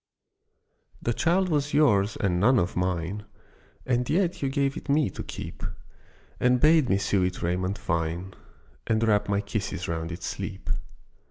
THE child was yours and none of mine, And yet you gave it me to keep, And bade me sew it raiment fine, And wrap my kisses round its sleep.